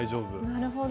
なるほど。